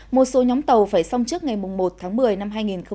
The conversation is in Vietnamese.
một số nhóm tàu phải xong trước ngày một tháng một mươi năm hai nghìn một mươi chín